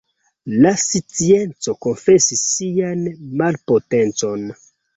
La scienco konfesis sian malpotencon.